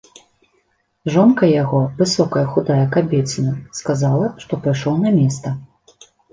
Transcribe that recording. Жонка яго, высокая худая кабеціна, сказала, што пайшоў на места.